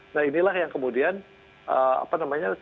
nah inilah yang kemudian apa namanya